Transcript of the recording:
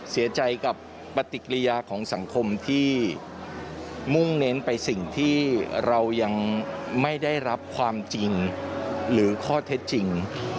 เสียใจกับปฏิกิริยาของสังคมที่มุ่งเน้นไปสิ่งที่เรายังไม่ได้รับความจริงหรือข้อเท็จจริง